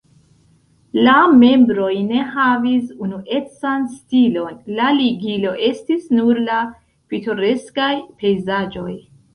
La membroj ne havis unuecan stilon, la ligilo estis nur la pitoreskaj pejzaĝoj.